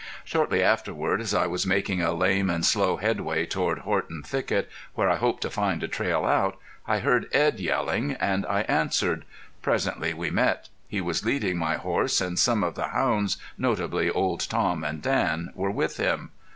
Shortly afterward, as I was making a lame and slow headway toward Horton Thicket, where I hoped to find a trail out, I heard Edd yelling, and I answered. Presently we met. He was leading my horse, and some of the hounds, notably Old Tom and Dan, were with him.